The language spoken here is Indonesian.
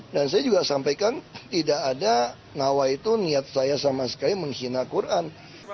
dan saya juga sampaikan tidak ada ngawah itu niat saya sama sekali menghina quran